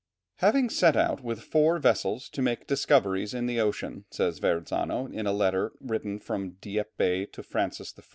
] Having set out with four vessels to make discoveries in the ocean, says Verrazzano in a letter written from Dieppe to Francis I.